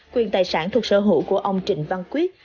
quyền tài sản thuộc sở hữu của ông trịnh văn quyết